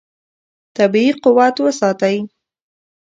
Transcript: طبیعي قوت وساتئ.